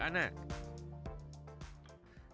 bagaimana menurut anda